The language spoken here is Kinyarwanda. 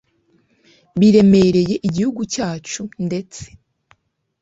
biremereye igihugu cyacu ndetse